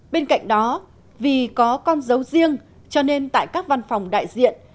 bên cạnh đó vì có con dấu riêng cho nên tại các văn phòng đại diện